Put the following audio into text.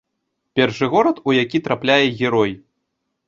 Першы горад, у які трапляе герой.